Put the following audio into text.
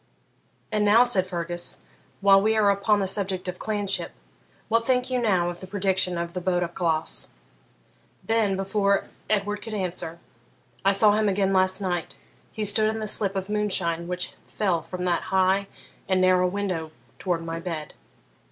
'And now,' said Fergus, 'while we are upon the subject of clanship what think you now of the prediction of the Bodach Glas?' Then, before Edward could answer, 'I saw him again last night: he stood in the slip of moonshine which fell from that high and narrow window towards my bed.